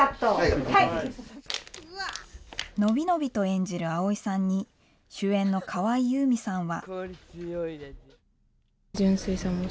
伸び伸びと演じる葵さんに、主演の河合優実さんは。